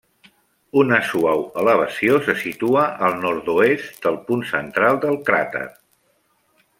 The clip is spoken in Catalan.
Una suau elevació se situa al nord-oest del punt central del cràter.